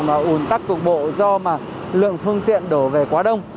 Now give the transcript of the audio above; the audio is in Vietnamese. mà ủn tắc cục bộ do mà lượng phương tiện đổ về quá đông